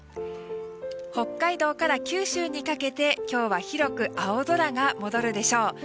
北海道から九州にかけて今日は広く青空が戻るでしょう。